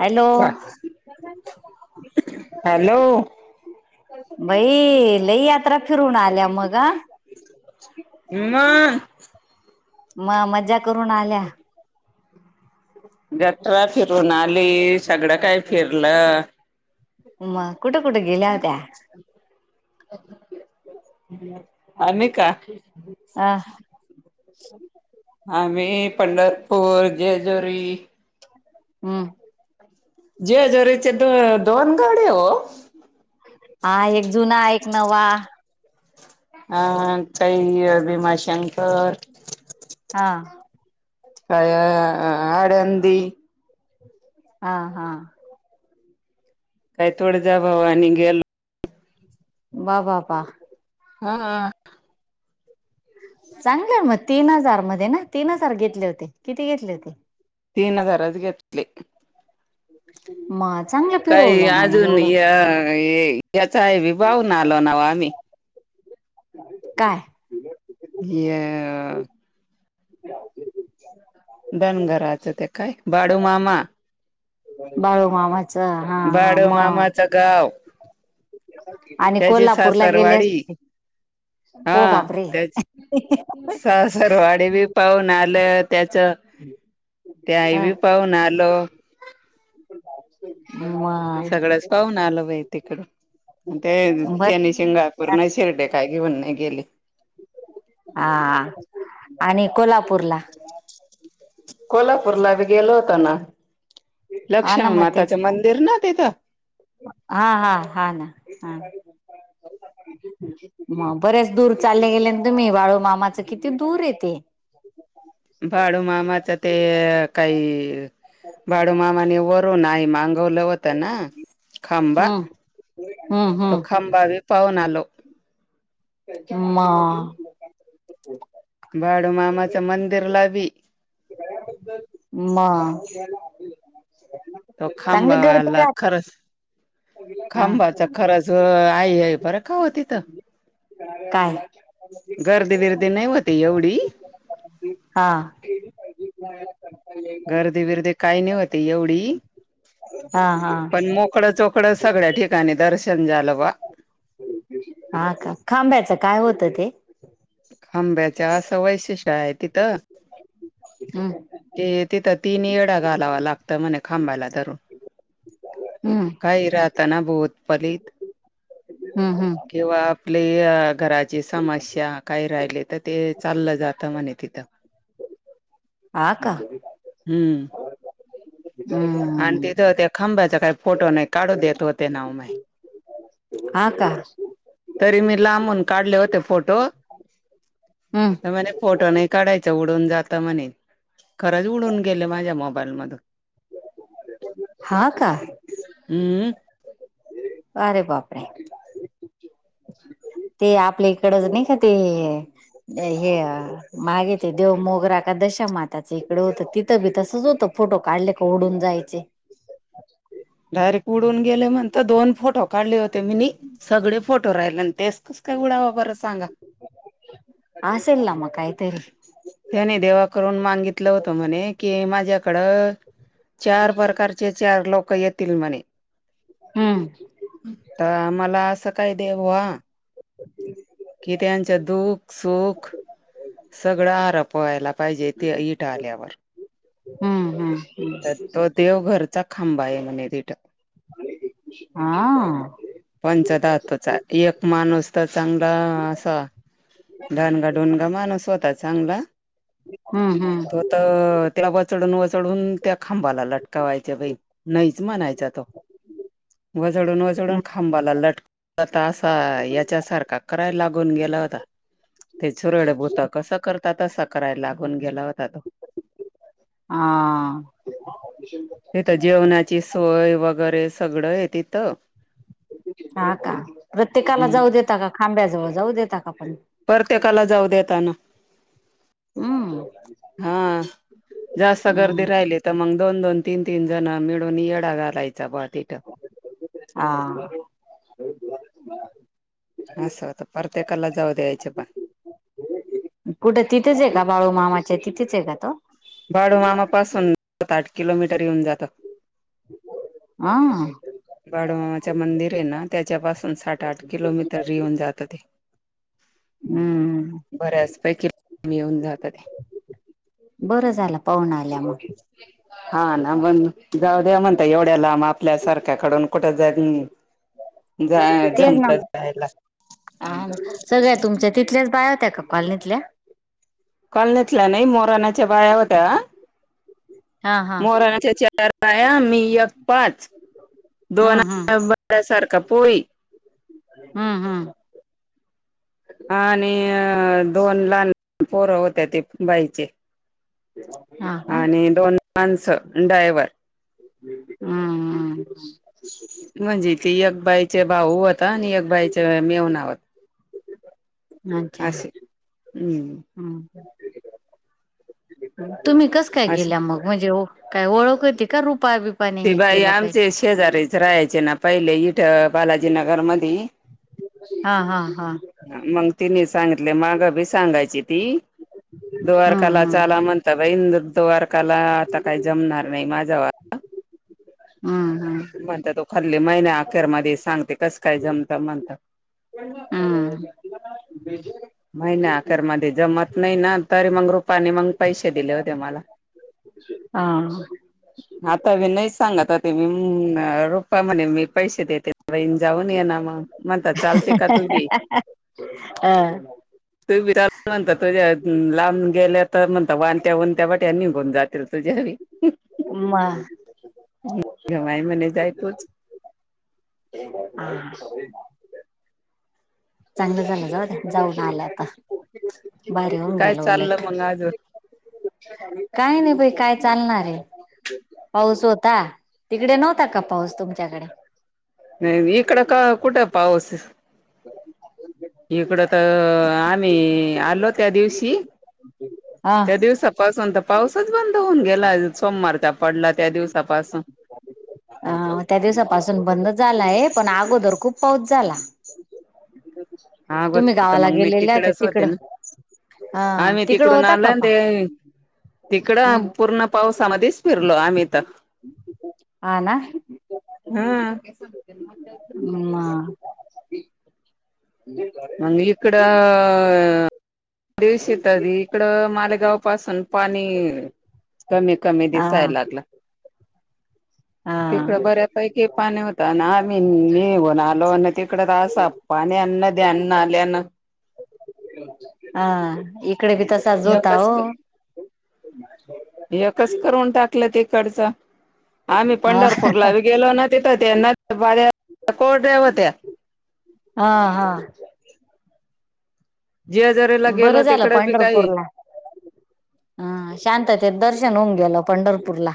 Hello hello. बाई लईयात्रा फिरून आल्या मग अ. [unintelligible] मग मजा करून आल्या. जतरा फिरून आली. सगळं काही फिरलं. मग कुठं कुठं गेल्या होत्या. आणि का. ह. आम्ही पंढरपूर जेजुरी. हम्. [inaudible] जेजुरीचे द दोन गड ओ. हा एक जुना एक नवा. अ काही अ भिमाशंकर. हा. अं... आडंदी. हा हा. आई तुळजाभवानी गेलो. वा वा बापा. हा. चांगलं मग तीन हजारमध्ये ना? तीन हजार घेतले होते. किती घेतले होते? तीन हजारच घेतले. मग चांगलंय. काही अजून य ये याचाही विभावून आलो नव आम्ही. काय? य. धनगराचा ते काय बाडूमामा. बाळू मामाच हा हा बाडू मग. मामाचं गाव आणि त्याची कोल्हापूरला गेले सासरवाडी. असते ओ हा बापरे त्याच सासरवाडी बी पाहून आलं त्याचं. ते आई अ बी पाहून आलो. म. सगळंच पाहून आलो बाई तिकड बर ते. सिंगापूर नाही शिरडे काय घेऊन नाही गेले. आ आणि कोल्हापूर ला. कोल्हापूरला बी गेलो होतो ना, हा ना लक्ष्मी मग तेच माताचं मंदिर ना तिथं. हा हा हा ना हा. मग बरेच दूर चाले गेले ना, तुम्ही बाळू मामाच किती दूर ये ते. बाळू मामाचं ते काही बाडू मामानं वरून आई मागवलं होत ना. खांबा हम्म हम्म तो हम्म खांबा बी पाहून आलो. मग. बाडूमामाच्या मंदिरला बी. मग तो चांगली गर्दी खांबाला राहते खरंच हा खांबाच खरच आई हे खरं. थो हो तिथं काय गर्दी बर्दी नाही होती एवढी. हां. गर्दी बिरदी काही नाही होत एवढी. हा हा पण मो चकडं चोकडं सगळ्या ठिकाणी दर्शन झालं बुवा. हा का, खांब्याचं काय होतं ते? खांब्याच्या असं वैशिष्ट्य आहे तिथं. हम्. ते तिथं तीन येडा घालावा लागतं म्हणे खांबायला धरुन. हम्म काही राहता ना भोत फलित. हम्म हम्म किंवा आपली घराची समस्या. काय राहिले तर ते चाललं जातं म्हणे तिथं. हा का? हम्म. आणि हम्म तिथं त्या खंब्याचा काय फोटो नाय काढू देत होते नाव माय. हा का. तरी मी लांबून काढले होते फोटो. हम्म. तर म्हणे फोटो नाही काढायच उडून जातं म्हणे. खरंच उडून गेले माझ्या मोबाईल मधून. हा कां. हम्म. अरे बापरे. ते आपल्या इकडंच नाही का ते हे अ मागे ते देव मोगरा का दशामाताचं, इकडं होतं तिथं बी तसंच होतं फोटो काढले फोडून जायचे. डायरेक्ट उडून गेले म्हणता दोन फोटो काढले होते मीनी सगळे फोटो राहिले आणि तेच कसं काय उडावं बरं सांगा. आसेल ना म कायतरी. त्याने देवा कडून मागितलं होत म्हने कि माझ्याकडं चार परकार चे चार लोकं येतील म्हणे. हम्म. आता मला असं काय येते बुआ. [inaudible] की त्यांच्यात दुःख सुख सगळं हारप वायला पायजे ते इट आल्यावर. अं हं. तर तो देवघरचा खंबा हाय म्हणे तिथं. हां. पंचधातूचा. एक माणूस तर चांगला असा डाणगा डोणगा मानुस होता चांगला. हम्म हम्म. तो तर त्याला वचडून वचडून त्या खांबाला लटकावायचे बाई. नाहीच म्हणायचा तो, वचडून वचडून खांबाला लटक आता असा याच्यासारखा, कराय लागून गेला होता. ते चुरड भूता कसं करता तसं करायला लागून गेला होत हां. तिथं जेवणाची सोय वगैरे सगळं हाय तिथं. हा का प्रत्येकाला जाऊ हम्म देता का खांब्याजवळ जाऊ देता का पन? परत्येकाला जाऊ देतानं अं. हा, जास्त गर्दी राहिली त म दोन दोन तीन तीन जन मिळून येडा घालायचा ब तिथं. [unintelligible] आं [unintelligible] असं होतं, परत्येकाला जाऊ द्यायचे पण. कुठे तिथेच हायका, बाळू मामाच्या तिथेच हायका तो? बाळू मामा पासून सात आठ किलोमीटर येऊन जातं. आं. बाडूमामाच मंदिर हायना त्याच्या पाासून साठ आठ किलोमीटर येऊन जातं ते. [inaudible] अं. बऱ्याच पैकी [unintelligible] येऊन जात ते. बरं झालं पाहुणं आल्यामुळं. [unintelligible] हा ना, पण जाऊ द्या म्हणता एवढ्या लांब आपल्या सारख्याकडून कुठं जाई. जाय तेच ना जमता जायला हा ना. सगळ्या तुमच्या तिथल्याच बाया होत्या का कॉलनीतल्या? कॉलनितल्या नाही मोरानाच्या बाया होत्या. हा हा मोराण्याचा चार बाया आणि मी एक पाच. दोन हम्म हम्म हम्म हम्म [unintelligible] [inaudible] हा आणि दोन लहान पोरं होत्या ते बाईचे. हा. का आणि दोन माणसं, ड्रायव्हर. हम्म हम्म. म्हणजे ते एक बाईचे भाऊ होता आणि एक बाईचे मेवना हो अच्छा हम्म हम्म हं. तुम्ही कसं काय अशी गेल्या मग म्हणजे काय ओळख होती का रुपा बी ते बाई आमचे शेजारीच राहायचे ना पहिले इथं बालाजीनगरमधी. हा हा हा. हा, मग तिने सांगितले माग बी सांगायची ती हम्म दुवारकाला हम्म चाला म्हण आता बाई दु [unintelligible] आता काही जमणार नाय माझ्यावाला. हा हा. म्हणता तो खाली महिन्यात अखेरमध्ये सांगते कसं काय जमता म्हणता. हम्म. महिना अखरमध्ये जमत नाही ना तर, मग रुपानी मग पैसे दिले होते मला. [inaudible] हा. आता मी नाही सांगत होते मी अ रुपा म्हणे मी पैसे देते. बहीण जाऊन या ना मग, मग आता चालते का तुम्ही? अ [inaudible] तू [unintelligible] तुझ्या लांब गेल्या तर म्हणत वानत्या वणत्या वाट्या निघून जातील तुझ्या भी. [unintelligible] मा [unintelligible] माई म्हणे जाय तोच. हा. चांगलं झालं जाऊद्या जाऊन आला आता, भारी होऊन काय गेलं उलट. चाललं मग अजून काही नाही बई काय चालणार आहे? पाऊस होता. तिकडे नव्हता का पाऊस तुमच्याकडे? नाही इकडं का कुठं पाऊस इकडं तर आम्ही आलो त्या दिवशी हा त्या दिवसा पासून तर पाऊसच बंद होऊन गेला सोमवारचा पडला त्या दिवसापासून. हं,. मग त्या दिवसापासून बंदच झालाय, पण अगोदर खूप पाऊस झाला. हा तुम्ही गावाला [unintelligible] मी गेलेल्या होत्या तिकडेच होते तिकडं ना. हा आम्ही तिकडं तिकडून होता आलं का आणि पा ते तिकडं हम् पूर्ण पावसामध्येच फिरलो आम्ही तर. हा ना? हा. मग. आणि इकडं दिवशी तरी इकडं मालेगाव पासून पाणी कमी कमी हा दिसाय लागलं. हा तिकडं बऱ्यापैकी पाणी होतं आणि आम्ही निघून आलो. नी तिकड तर असा पाणी अन्न द्यांना आल्यानं. हां इकडेबी तसा जोता हो. एकच एकच करून टाकलं तिकडचं. आम्ही हा पंढरपूरला बी गेलो ना तिथं, ते [unintelligible] कोठे होत्या? आं हा. जेजुरी बरं झालं पंढरपूरला. हा शांततेत दर्शन होऊन गेलं पंढरपूरला.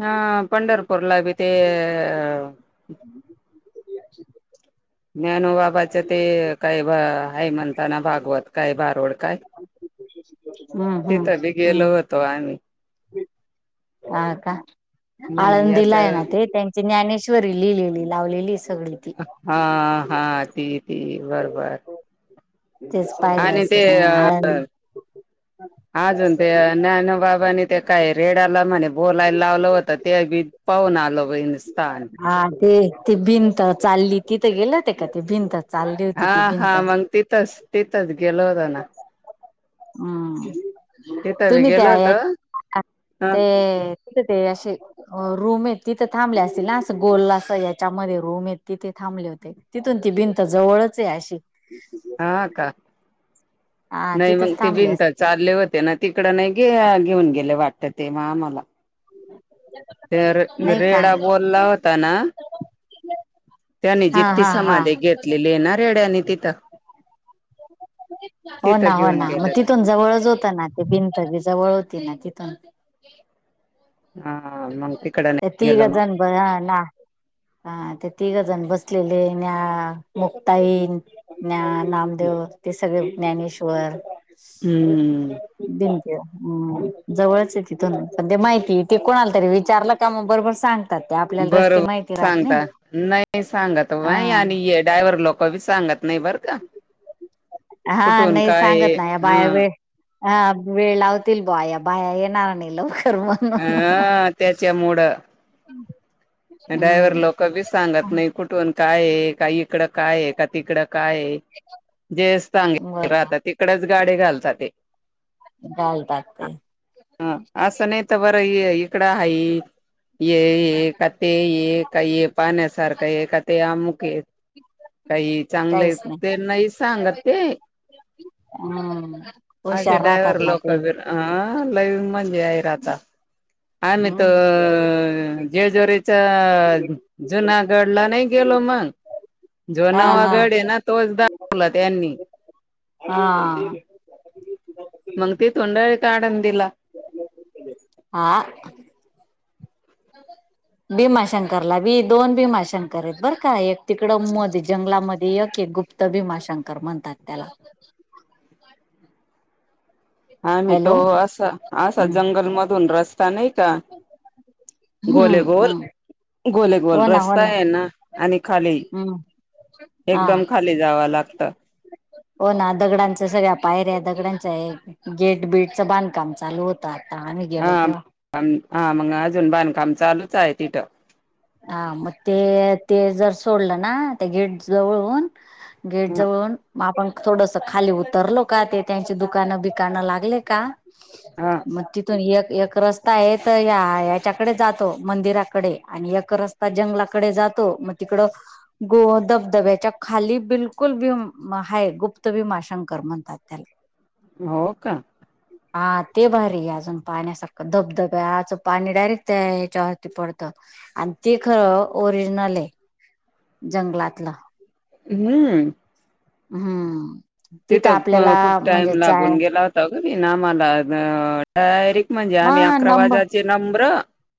हा पंढरपूरला बी ते अ ज्ञानोबाबाचं ते काबा हाय म्हण. तना भागवत काय भारुड काय, हम्म हम्म तिथं बी हम्म गेलो होतो आम्ही. हां का, म्हणे याच आळंदीला हाय ना ते त्यां जी ज्ञानेश्वरी लिहिलेली लावलेली सगळी. ती हा हा ती ती बरबर. तेच पाहिलं आणि ते असेल अ हा आळंद अजून ते ज्ञान बाबानी ते काय रेड्याला म्हणे बोलायला लावलं होतं, ते बी पाहून आलो वहिनी स्थान. हा ते, ती भिंत चालली तिथं गेले होते का ते भिंत? चालली होती ती आं हा भिंत मग तिथंच तिथंच गेलो होता ना. हम्म, तिथं बी तुम्ही गेलो त्या या होतो [inaudible] ह ते ती ते अशे रूम आहेत तिथं थांबल्या असतील ना, असं गोलला अस याच्यामध्ये रूम आहेत तिथे थांबले होते. तिथून ती भिंत जवळच आहे अशी. हां का, हा नाही मग तिथंच ते थांबले विणतात. असतील चालले होते ना तिकडं नाही गे घेऊन गेले वाटतं ते मग आम्हाला. ते रे नाही का रेडा बोलला होता ना त्यांनी हा जित्ती हा हा समाधी घेतलेली हाय ना रेड्यानी तिथं. हो तिथं ना हो घेऊन ना म गेलं तर तिथून जवळच होतं ना ते भिंत बी जवळ होती ना तिथून. आं हा मग तिकडं नाही, गेलो मग. बयाला. हा ते तिघंजण बसलेले, ज्ञा, मुक्ताईन, ज्ञान नामदेव, ते सगळे ज्ञानेश्वर. हं. दिंत्य, जवळच आहे तिथून. पण ते माहितीय ते कोणाला तरी विचारलं का मग बरोबर सांग तर ते आपल्याला रस्ते माहिती राहतं. अंगठा नाही सांगत व्हय आणि हे ड्रायव्हर लोकं बी सांगत नाही बर का. हा कुठून नाही काय सांगत नाही, या बाया हं वेळ हा वेळ लावतील बाया बाया येणार नाही लवकर मग. अ [inaudible] हे ड्रायव्हर लोकंबी सांगत नाही, कुठून काय हे का इकडं काय हे का तिकडं काय हे. जयस टांगे बर राहतात तिकडेच गाडी घालता ते. डाल टाकते. अ असं नाही तर बरं ये इकडं आहे ये ये का ते ये काय ये पाण्यासारखं आहे का ते अमुक य काही चांगले ते नाही सांगत ते. हम् हुशार राहतात ना ते. हा लईव म्हणजे आहे राहता आणि् हम्म तर जेजुरीत च जुनागडला नाही गेलो मंग जो हा हा नवागड आहे ना तोच दाखवला त्यांनी. हा हा. मंग तिथून डायरेक्ट आळंदीला हा बीमाशंकरला बी दोन बीमाशंकर आहेत बरं का एक तिकडं मध्ये जंगलामध्ये यक हे गुप्त भीमाशंकर म्हणतात त्याला. आम्ही तो हॅलो असा असा हम्म जंगलमधून रस्ता नाही का गोले हम्म गोल हम्म. गोले गोल हो ना हो रस्ता ना आहे यांना आणि खाली [inaudible] एकदम खाली जावं लागतं. हो ना दगडांच्या सगळ्या पायऱ्या दगडांच्या आहे गेट बीटचा बांधकाम चालू होता. आम्ही गेलो तेव्हा आन हा मंग अजून बांधकाम चालूच आहे तिथं. हा मग ते ते जर सोडलं ना ते गेट जवळून गेट ह जवळून म आपण थोडसा खाली उतरलो का ते त्यांची दुकानं बिकाणं लागले का हा म ति थून एक एक रस्ता आहे तर या याच्याकडे जातो मंदिराकडे आणि एक क रस्ता जंगलाकडे जातो म तिकडं गो धबधब्याच्या खाली बिलकुल बीम हाय गुप्त भीमाशंकर म्हणतात. त्याले हो का. हा ते भारी आहे अजून पाहण्यासारखं धबधब्याचा पाणी डायरेक्ट त्या हीच्यावरती पडतं. आणि ते ख ओरिजनल आहे. जंगलातला हम्म. हम्म. तिथं खू आपल्याला खूप टाइम म्हणजे जाय लागून गेला हो तगी ना मला अ डायरेक्ट म्हणजे आम्ही मग अकरा नंबर वाजाचे नंबरं